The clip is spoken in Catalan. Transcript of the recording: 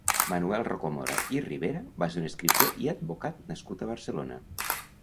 Manuel Rocamora i Rivera va ser un escriptor i advocat nascut a Barcelona.